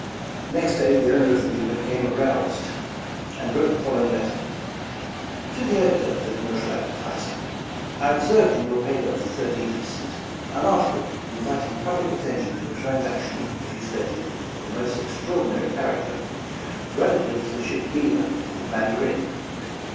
"Next day the owner of the 'Beaver' became aroused and wrote the following letter: " 'To the Editor of the Commercial Advertiser: —" 'I observed in your paper of the 13th instant, an article inviting public attention to a transaction (as you state it, of a most extraordinary character) rela tive to the ship "Beaver" and the Mandarin.